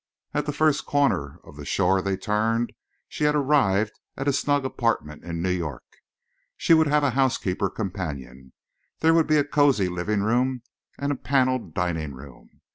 At the first corner of the shore they turned she had arrived at a snug apartment in New York. She would have a housekeeper companion. There would be a cosy living room and a paneled dining room.